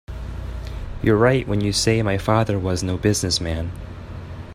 You're right when you say my father was no business man.